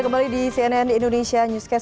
kembali di cnn indonesia newscast